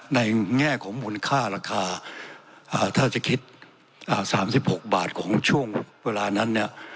แง่ของมูลค่าราคาถ้าจะคิด๓๖บาทของช่วงเวลานั้นเนี่ย